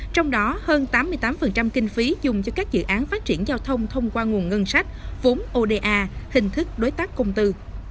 trong đó hơn tám mươi tám kinh phí dùng cho các dự án phát triển giao thông thông qua nguồn ngân sách vốn oda hình thức đối tác công tư